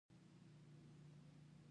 زه او لوستونکی به نه سرګردانه کیږو.